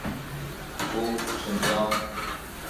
오, 젠장!